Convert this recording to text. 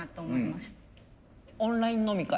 オンライン飲み会。